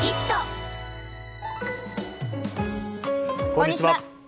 こんにちは。